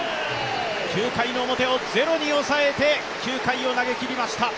９回表をゼロに抑えて、９回を投げきりました。